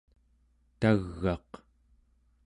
tag'aq